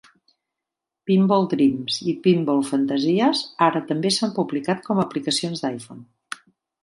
"Pinball Dreams" i "Pinball Fantasies" ara també s'han publicat com aplicacions d'iPhone.